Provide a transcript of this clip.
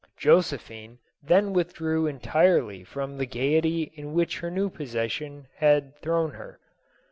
Josephine then withdrew entirely from the gayety in which her new position had thrown her.